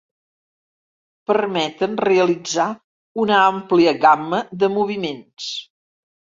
Permeten realitzar una àmplia gamma de moviments.